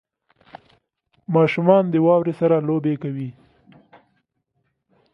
• ماشومان د واورې سره لوبې کوي.